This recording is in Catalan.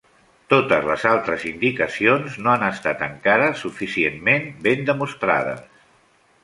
Totes les altres indicacions no han estat encara suficientment ben demostrades.